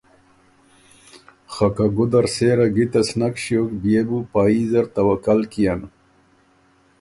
خه که ګُده ر سېره ګِتس نک ݭیوک بيې بُو پا يي زر توکل کيېن۔